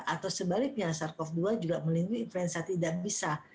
atau sebaliknya sars cov dua juga melindungi influenza tidak bisa